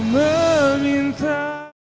jangan jumpa kayanya mau bunlar